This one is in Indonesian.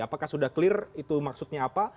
apakah sudah clear itu maksudnya apa